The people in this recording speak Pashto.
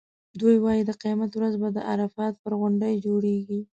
دوی وایي د قیامت ورځ به د عرفات پر غونډۍ جوړېږي.